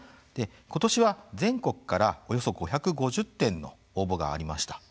今年は全国から、およそ５５０点の応募がありました。